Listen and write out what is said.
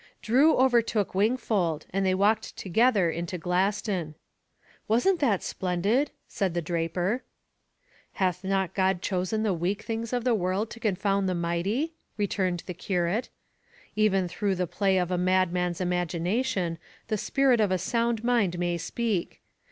Drew overtook Wingfold, and they walked together into Glaston. "Wasn't that splendid?" said the draper. "Hath not God chosen the weak things of the world to confound the mighty?" returned the curate. "Even through the play of a mad man's imagination, the spirit of a sound mind may speak.